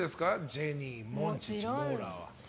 ジェニー、モンチッチ、モーラー。